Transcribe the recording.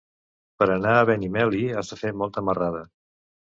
Per anar a Benimeli has de fer molta marrada.